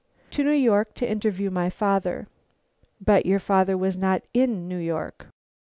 "To New York, to interview my father." "But your father was not in New York?"